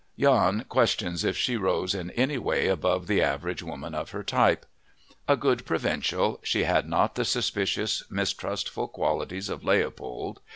Jahn questions if she rose in any way above the average woman of her type. A good provincial, she had not the suspicious, mistrustful qualities of Leopold.